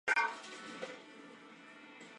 Región lumbar amarilla a anaranjada.